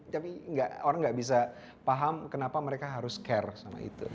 tapi orang nggak bisa paham kenapa mereka harus care sama itu